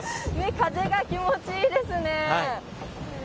風が気持ちいいですね。